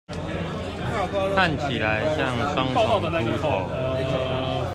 看起來像雙重禿頭